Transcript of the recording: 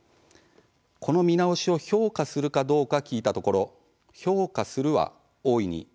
この見直しを評価するかどうか聞いたところ「評価する」は「大いに」